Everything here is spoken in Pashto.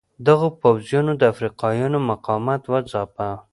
دغو پوځیانو د افریقایانو مقاومت وځاپه.